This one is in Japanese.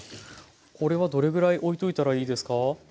これはどれぐらいおいといたらいいですか？